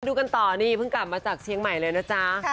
ดูกันต่อนี่เพิ่งกลับมาจากเชียงใหม่เลยนะจ๊ะ